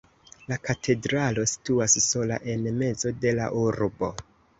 La katedralo situas sola en mezo de la urbo.